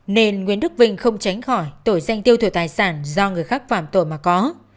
nên nguyễn đức vinh không tránh khỏi tội danh tiêu thủy tài sản do người khác phạm tội mà có